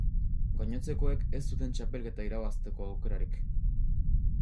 Gainontzekoek ez zuten txapelketa irabazteko aukerarik.